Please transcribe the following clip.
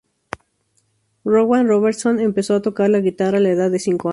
Rowan Robertson empezó a tocar la guitarra a la edad de cinco años.